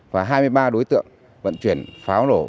và hai mươi ba đối tượng vận chuyển pháo nổ